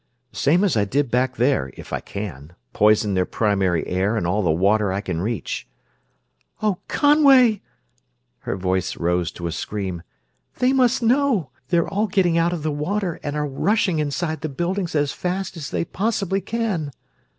"Same as I did back there, if I can. Poison their primary air and all the water I can reach...." "Oh, Conway!" Her voice rose to a scream. "They must know they're all getting out of the water and are rushing inside the buildings as fast as they possibly can!"